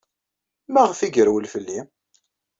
Maɣef ay yerwel fell-i?